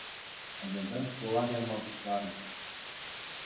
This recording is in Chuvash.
Ачасем шкула кайма пуҫларӗҫ.